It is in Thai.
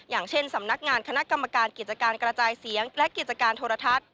อย่างเช่นสำนักงานคณะกรรมการกิจการกระจายเสียงและกิจการโทรทัศน์